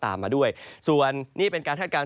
ตามมาด้วยส่วนนี่เป็นการคาดการณ